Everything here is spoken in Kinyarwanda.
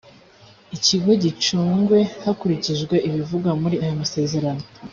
ikigo gicungwe hakurikijwe ibivugwa muri aya masezerano